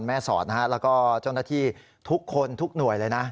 แม่ศอดนะคะแล้วก็ทุกคนทุกหน่วยเลยนะ